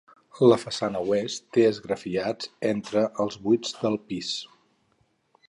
La façana oest té esgrafiats entre els buits del pis.